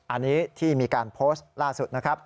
อันนี้ที่มีการโพสต์ล่าสุดนะครับ